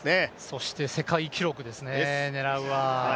そして世界記録ですね、狙うは。